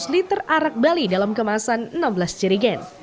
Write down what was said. empat ratus liter arak bali dalam kemasan enam belas jirigen